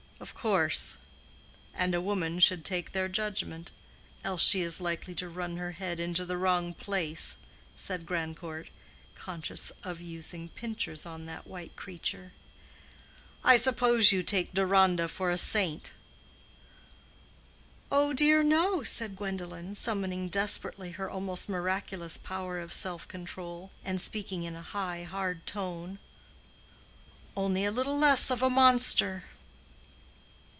"Of course. And a woman should take their judgment—else she is likely to run her head into the wrong place," said Grandcourt, conscious of using pinchers on that white creature. "I suppose you take Deronda for a saint." "Oh dear no!" said Gwendolen, summoning desperately her almost miraculous power of self control, and speaking in a high hard tone. "Only a little less of a monster."